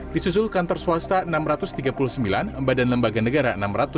di susul kantor swasta enam ratus tiga puluh sembilan badan lembaga negara enam ratus dua puluh lima